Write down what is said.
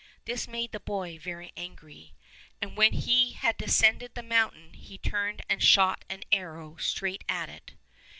This made the boy very angry, and when he had descended the mountain he turned and shot an arrow straight at it.